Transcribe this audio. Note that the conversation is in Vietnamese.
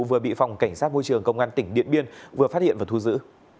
vừa bị phòng cảnh sát môi trường công an tỉnh điện biên vừa phát hiện và thu giữ